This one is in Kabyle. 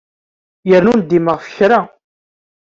Yerna ur ndimeɣ ɣef kra.